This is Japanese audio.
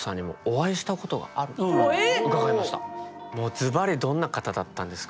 ズバリどんな方だったんですか。